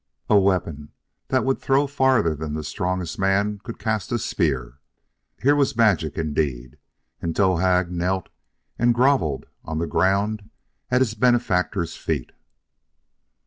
A weapon that would throw farther than the strongest man could cast a spear here was magic indeed! And Towahg knelt and grovelled on the ground at his benefactor's feet.